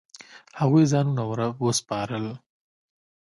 هغوی ځانونه وسپارل.